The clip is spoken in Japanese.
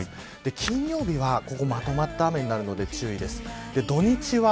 金曜日は、まとまった雨になるので注意です。